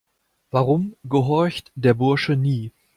Warum gehorcht der Bursche nie?